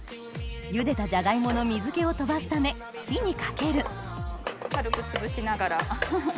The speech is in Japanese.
ゆでたジャガイモの水気を飛ばすため火にかける軽くつぶしながら。